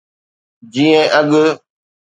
جيئن اڳ.